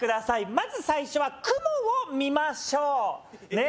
まず最初は雲を見ましょうねえ